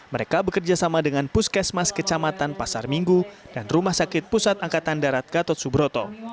mereka bekerja sama dengan puskesmas kecamatan pasar minggu dan rumah sakit pusat angkatan darat gatot subroto